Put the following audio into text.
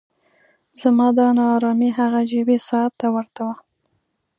زما دا نا ارامي هغه جیبي ساعت ته ورته وه.